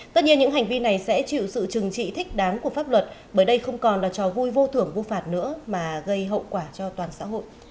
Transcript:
tất nhiên những hành vi này sẽ chịu sự trừng trị thích đáng của pháp luật bởi đây không còn là trò vui vô thưởng vô phạt nữa mà gây hậu quả cho toàn xã hội